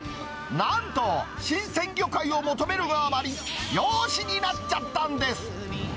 なんと、新鮮魚介を求めるがあまり、漁師になっちゃったんです。